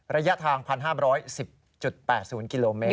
ระยะทาง๑๕๑๐๘๐กิโลเมตร